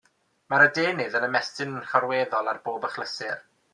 Mae'r adenydd yn ymestyn yn llorweddol ar bob achlysur.